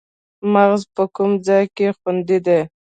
مغز په کوم ځای کې خوندي دی